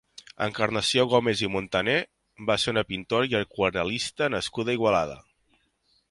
Encarnació Gómez i Montaner va ser una pintora i aquarel·lista nascuda a Igualada.